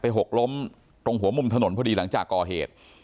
หกล้มตรงหัวมุมถนนพอดีหลังจากก่อเหตุ